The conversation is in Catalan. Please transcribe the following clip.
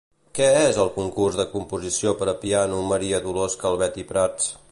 Què és el "Concurs de Composició per a Piano Maria Dolors Calvet i Prats"?